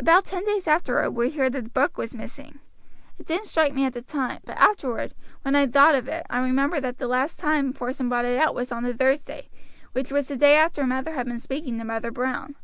About ten days afterward we heard the book was missing. It didn't strike me at the time; but afterward, when I thought of it, I remembered that the last time Porson brought it out was on the Thursday, which was the day after Mather had been speaking to Mother Brown.